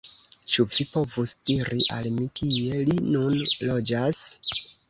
Ĉu vi povus diri al mi kie li nun loĝas?